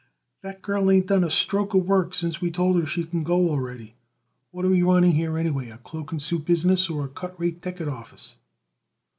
"That girl ain't done it a stroke of work since we told her she could go already. What are we running here, anyway: a cloak and suit business or a cut rate ticket office?"